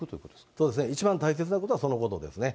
そうですね、一番大切なことはそのことですね。